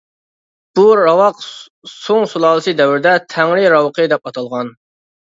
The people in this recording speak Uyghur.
بۇ راۋاق سۇڭ سۇلالىسى دەۋرىدە تەڭرى راۋىقى دەپ ئاتالغان.